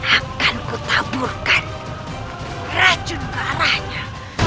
akan ku taburkan racun ke arahnya